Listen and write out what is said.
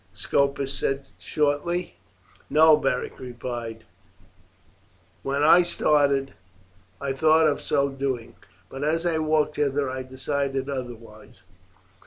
Scopus said shortly. "No," Beric replied; "when I started I thought of so doing, but as I walked hither I decided otherwise.